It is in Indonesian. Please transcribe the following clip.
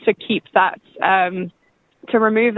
untuk menghilangkannya kadang kadang